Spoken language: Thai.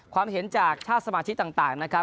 ความเห็นจากชาติสมาชิกต่างนะครับ